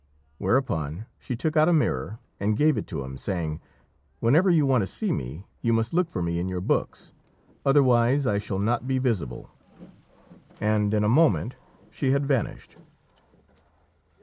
Whereupon she took out a mirror and gave it to him, saying, "Whenever you want to see me, you must look for me in your books; otherwise I shall not be visible;" and in a moment she had vanished.